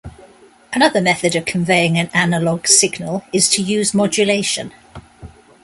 Another method of conveying an analogue signal is to use modulation.